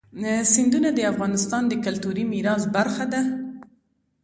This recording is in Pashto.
سیندونه د افغانستان د کلتوري میراث برخه ده.